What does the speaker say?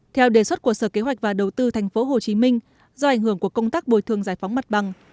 theo đề xuất của sở kế hoạch và đầu tư tp hcm do ảnh hưởng của công tác bồi thường giải phóng mặt bằng